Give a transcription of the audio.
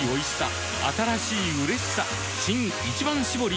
新「一番搾り」